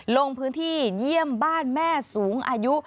ลงพื้นที่เยี่ยมบ้านแม่สูงอายุ